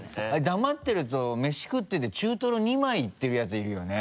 黙ってるとめし食ってて中トロ２枚いってるヤツいるよね？